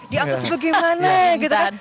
diatur sebagaimana gitu kan